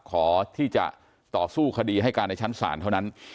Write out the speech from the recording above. ขอที่จะต่อสู้คดีให้การในชั้นศาลเท่านั้น